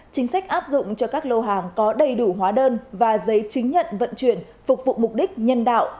chính sách áp dụng cho các lô hàng có đầy đủ hóa đơn và giấy chứng nhận vận chuyển phục vụ mục đích nhân đạo